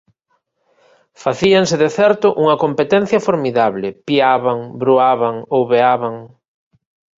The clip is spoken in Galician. Facíanse, de certo, unha competencia formidable: piaban, bruaban, ouveaban.